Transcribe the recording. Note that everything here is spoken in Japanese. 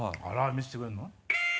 見せてくれるの？